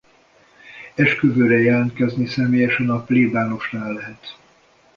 Esküvőre jelentkezni személyesen a plébánosnál lehet.